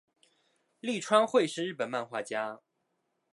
立川惠是日本漫画家。